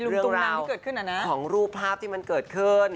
เรื่องราวของรูปภาพที่มันเกิดขึ้น